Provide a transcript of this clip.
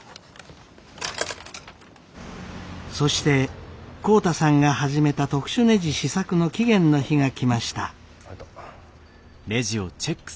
そして浩太さんが始めた特殊ねじ試作の期限の日が来ました。